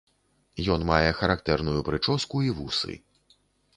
Ён мае характэрную прычоску і вусы.